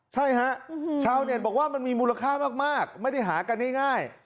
ใช่ฮะชาวเน็ตบอกว่ามันมีมูลค่ามากไม่ได้หากันง่าย